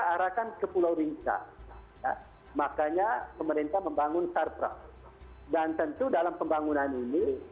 arahkan ke pulau rinca makanya pemerintah membangun sarpra dan tentu dalam pembangunan ini